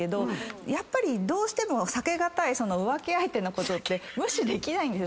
やっぱりどうしても避け難い浮気相手のことって無視できないんです。